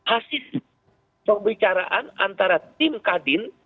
hasil pembicaraan antara tim kadin